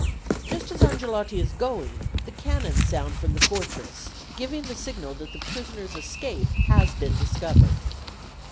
Just as Angelotti is going the cannon sound from the fortress, giving the signal that the prisoner's escape has been discovered.